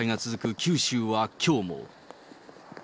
九州はきょうも。